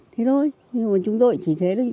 thế thôi nhưng mà chúng tôi chỉ thế thôi